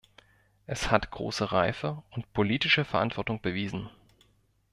Es hat große Reife und politische Verantwortung bewiesen.